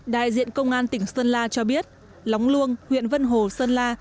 đại diện công an tỉnh sơn la cho biết lóng luông huyện vân hồ sơn la